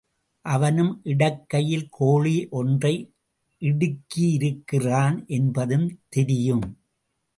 அவனும் இடக்கையில் கோழி ஒன்றை இடுக்கியிருக்கிறான் என்பதும் தெரியும்.